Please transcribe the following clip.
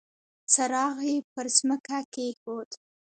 څراغ يې پر ځمکه کېښود.